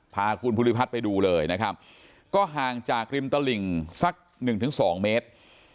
พาคุณภูริพัฒน์ไปดูเลยนะครับก็ห่างจากริมตลิ่งสักหนึ่งถึงสองเมตร